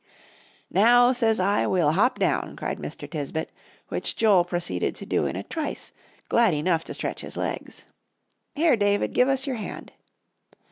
"Now, says I, we'll hop down," cried Mr. Tisbett, which Joel proceeded to do in a trice, glad enough to stretch his legs. "Here, David, give us your hand."